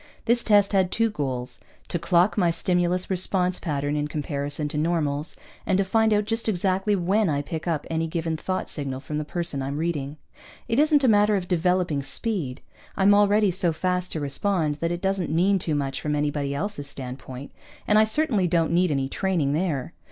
This test had two goals: to clock my stimulus response pattern in comparison to normals, and to find out just exactly when I pick up any given thought signal from the person I'm reading. It isn't a matter of developing speed. I'm already so fast to respond that it doesn't mean too much from anybody else's standpoint, and I certainly don't need any training there.